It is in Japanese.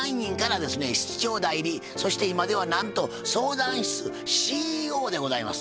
室長代理そして今ではなんと相談室ＣＥＯでございます。